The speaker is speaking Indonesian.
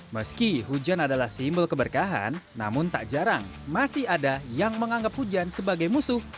meski hujan adalah simbol keberkahan namun tak jarang masih ada yang menganggap hujan sebagai musuh